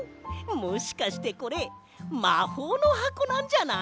もしかしてこれまほうのはこなんじゃない？